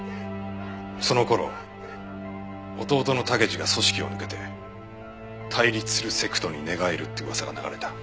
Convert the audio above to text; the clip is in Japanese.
その頃弟の武二が組織を抜けて対立するセクトに寝返るって噂が流れた。